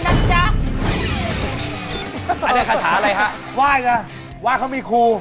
อันนี้คาดภาพอะไรฮะว่านะว่าเขามีครู